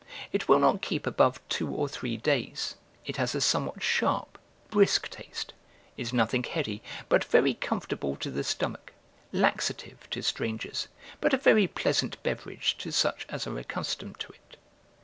It will not keep above two or three days; it has a somewhat sharp, brisk taste, is nothing heady, but very comfortable to the stomach; laxative to strangers, but a very pleasant beverage to such as are accustomed to it.